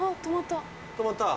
止まった。